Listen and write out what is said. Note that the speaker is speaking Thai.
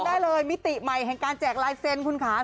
ได้เลยมิติใหม่แห่งการแจกลายเซ็นคุณค่ะ